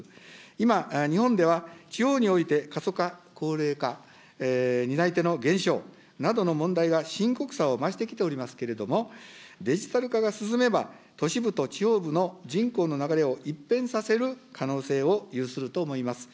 今、日本では、地方において過疎化、高齢化、担い手の減少などの問題が深刻化を増してきておりますけれども、デジタル化が進めば、都市部と地方部の人口の流れを一変させる可能性を有すると思います。